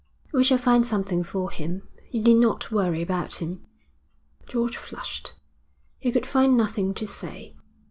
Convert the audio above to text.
'We shall find something for him. You need not worry about him.' George flushed. He could find nothing to say.